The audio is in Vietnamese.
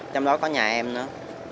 trong đó có nhà em nữa